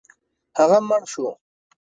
هغه مړ شو.